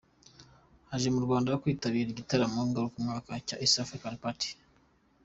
Aje mu Rwanda kwitabira igitaramo ngarukamwaka cya East African Party.